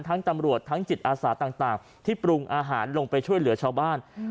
ตำรวจทั้งจิตอาสาต่างที่ปรุงอาหารลงไปช่วยเหลือชาวบ้าน